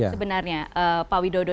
sebenarnya pak widodo